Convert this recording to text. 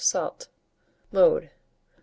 of salt. Mode.